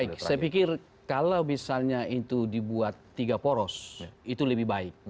baik saya pikir kalau misalnya itu dibuat tiga poros itu lebih baik